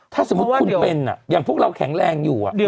ถ้าสมมุติคุณเป็นอย่างพวกเราแข็งแรงอยู่